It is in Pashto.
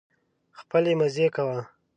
خپلې مزې کوه.